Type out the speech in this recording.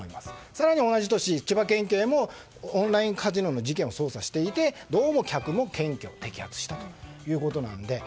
更に、同じ年千葉県警もオンラインカジノの事件を捜査していて客を検挙摘発したということです。